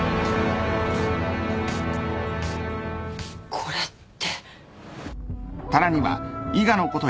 これって。